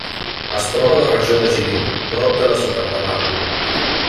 Es troba a la regió de Žilina, prop de la ciutat de Martin.